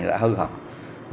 đã hư hỏng